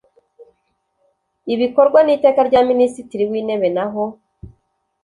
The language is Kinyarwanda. bikorwa n Iteka rya Minisitiri w Intebe Naho